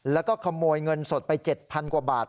แล้วก็ขโมยเงินสดไป๗๐๐กว่าบาท